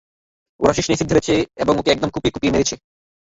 ওর শিশ্নে এসিড ঢেলেছে এবং ওকে একদম কুঁপিয়ে কুঁপিয়ে মেরেছে।